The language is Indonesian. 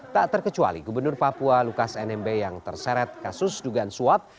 tak terkecuali gubernur papua lukas nmb yang terseret kasus dugaan suap